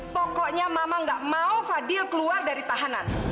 pokoknya mama gak mau fadil keluar dari tahanan